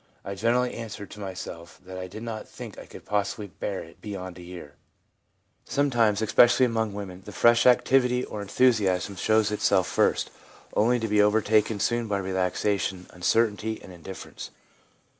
I generally answered to myself that I did not think I could possibly bear it beyond a year/ Sometimes, especially among women, the fresh activity or enthusiasm shows itself first, only to be overtaken soon by relaxation, uncertainty and indiffer ence.